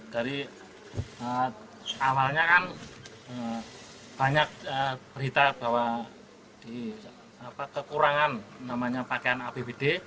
dari awalnya kan banyak berita bahwa kekurangan pakaian apd